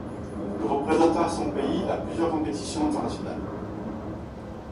Il représenta son pays à plusieurs compétitions internationales.